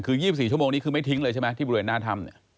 คือ๒๔ชั่วโมงนี้คือไม่ทิ้งเลยใช่ไหมที่บริเวณหน้าถ้ำเนี่ย